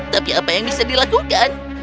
tapi apa yang bisa dilakukan